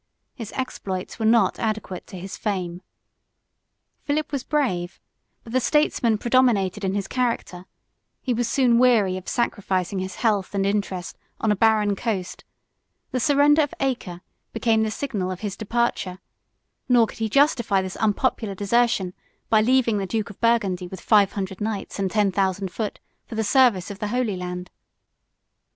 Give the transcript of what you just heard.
71 His exploits were not adequate to his fame. Philip was brave, but the statesman predominated in his character; he was soon weary of sacrificing his health and interest on a barren coast: the surrender of Acre became the signal of his departure; nor could he justify this unpopular desertion, by leaving the duke of Burgundy with five hundred knights and ten thousand foot, for the service of the Holy Land.